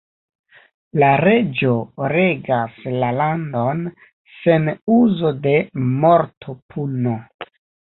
La reĝo regas la landon sen uzo de mortopuno.